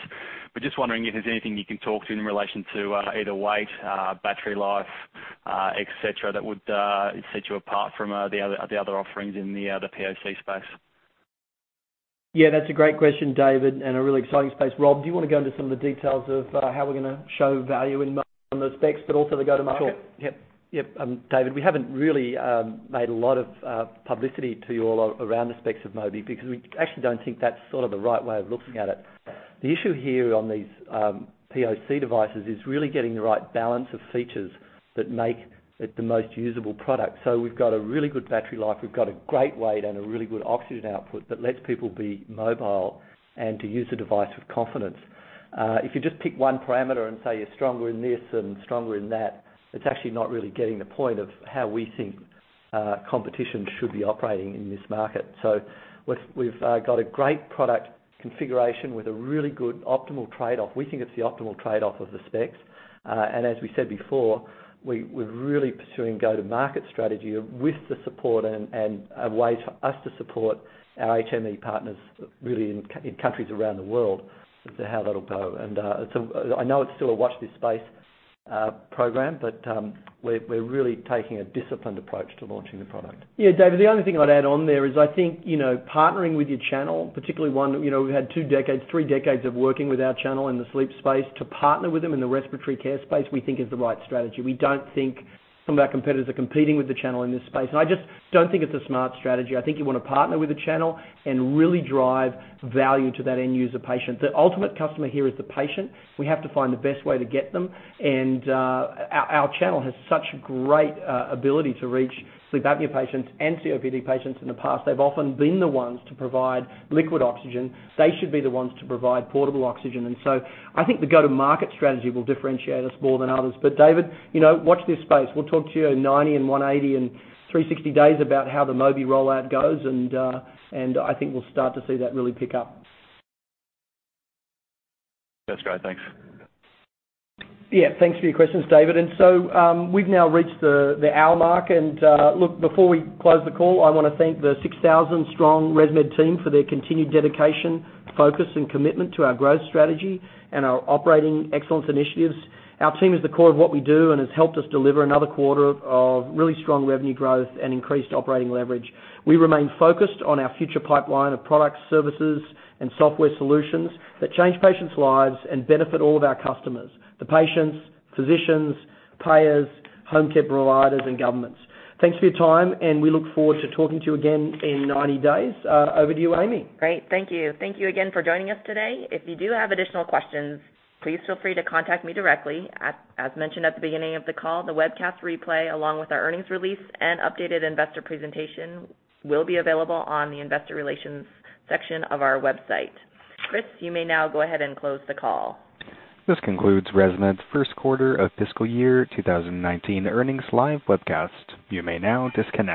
Just wondering if there's anything you can talk to in relation to either weight, battery life, et cetera, that would set you apart from the other offerings in the POC space. Yeah, that's a great question, David. A really exciting space. Rob, do you want to go into some of the details of how we're going to show value in Mobi on those specs? Also the go-to-market? Sure. Yep. David, we haven't really made a lot of publicity to you all around the specs of Mobi because we actually don't think that's sort of the right way of looking at it. The issue here on these POC devices is really getting the right balance of features that make it the most usable product. We've got a really good battery life. We've got a great weight and a really good oxygen output that lets people be mobile and to use the device with confidence. If you just pick one parameter and say you're stronger in this and stronger in that, it's actually not really getting the point of how we think competition should be operating in this market. We've got a great product configuration with a really good optimal trade-off. We think it's the optimal trade-off of the specs. As we said before, we're really pursuing go-to-market strategy with the support and a way for us to support our HME partners really in countries around the world as to how that'll go. I know it's still a watch-this-space program, but we're really taking a disciplined approach to launching the product. Yeah, David, the only thing I'd add on there is I think, partnering with your channel, particularly one that we've had two decades, three decades of working with our channel in the sleep space, to partner with them in the respiratory care space, we think is the right strategy. We don't think some of our competitors are competing with the channel in this space. I just don't think it's a smart strategy. I think you want to partner with the channel and really drive value to that end user patient. The ultimate customer here is the patient. We have to find the best way to get them, and our channel has such great ability to reach sleep apnea patients and COPD patients. In the past, they've often been the ones to provide liquid oxygen. They should be the ones to provide portable oxygen. I think the go-to-market strategy will differentiate us more than others. David, watch this space. We'll talk to you in 90 and 180 and 360 days about how the Mobi rollout goes, and I think we'll start to see that really pick up. That's great. Thanks. Thanks for your questions, David. We've now reached the hour mark. Look, before we close the call, I want to thank the 6,000-strong ResMed team for their continued dedication, focus, and commitment to our growth strategy and our operating excellence initiatives. Our team is the core of what we do and has helped us deliver another quarter of really strong revenue growth and increased operating leverage. We remain focused on our future pipeline of products, services, and software solutions that change patients' lives and benefit all of our customers, the patients, physicians, payers, home care providers, and governments. Thanks for your time, and we look forward to talking to you again in 90 days. Over to you, Amy. Great. Thank you. Thank you again for joining us today. If you do have additional questions, please feel free to contact me directly. As mentioned at the beginning of the call, the webcast replay, along with our earnings release and updated investor presentation, will be available on the investor relations section of our website. Chris, you may now go ahead and close the call. This concludes ResMed's first quarter of fiscal year 2019 earnings live webcast. You may now disconnect.